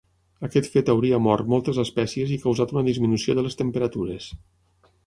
Aquest fet hauria mort moltes espècies i causat una disminució de les temperatures.